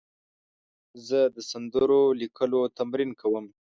زه د سندرو لیکلو تمرین کوم.